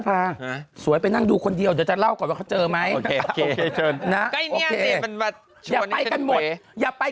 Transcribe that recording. จังหวัดไหนเนี่ยนะฟิวสวยพี่ไปไหมล่ะป่าน